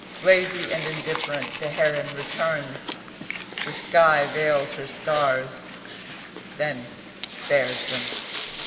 Lazy and indifferent the heron returns; the sky veils her stars; then bares them.